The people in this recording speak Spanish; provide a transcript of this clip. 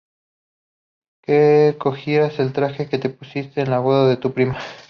que cogieras el traje que te pusiste en la boda de tu prima